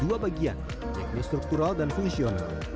dua bagian yakni struktural dan fungsional